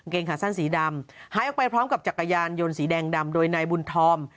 งขาสั้นสีดำหายออกไปพร้อมกับจักรยานยนต์สีแดงดำโดยนายบุญธอม